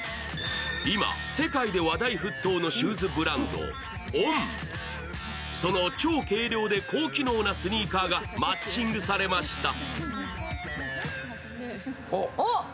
今、世界で話題沸騰のシューズブランド・Ｏｎその超軽量で高機能なスニーカーがマッチングされました。